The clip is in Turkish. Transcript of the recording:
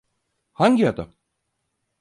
Hangi adam?